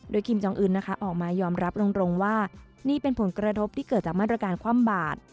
คิมจองอื่นนะคะออกมายอมรับตรงว่านี่เป็นผลกระทบที่เกิดจากมาตรการคว่ำบาด